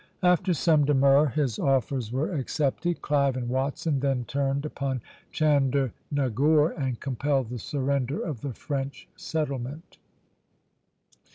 After some demur his offers were accepted. Clive and Watson then turned upon Chandernagore and compelled the surrender of the French settlement.